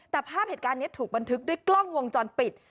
แต่ภาพเหตุการณ์นี้ถูกบันทึกด้วยกล้องวงจรปิด